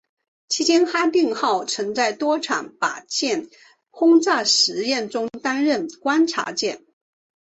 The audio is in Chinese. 期间哈定号曾在多场靶舰轰炸实验中担任观察舰。